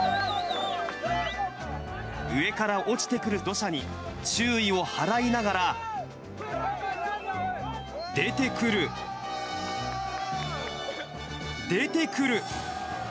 上から落ちてくる土砂に、注意を払いながら、出てくる、出てくる。